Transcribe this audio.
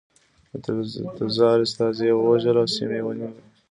د تزار استازي یې ووژل او سیمې یې ونیولې.